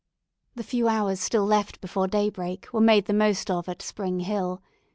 The few hours still left before daybreak, were made the most of at Spring Hill.